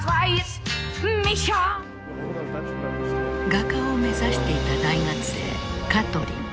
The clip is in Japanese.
画家を目指していた大学生カトリン。